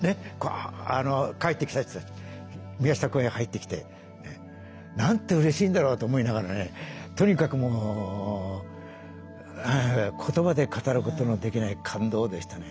帰ってきた人たち宮下公園入ってきてなんてうれしいんだろうと思いながらねとにかくもう言葉で語ることのできない感動でしたね。